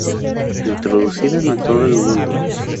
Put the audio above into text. Introducida en todo el mundo.